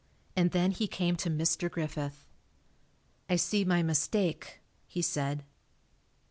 And then he came to Mr. Griffith. "I see my mistake," he said.